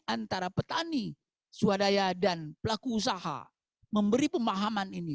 antara petani swadaya dan pelaku usaha memberi pemahaman ini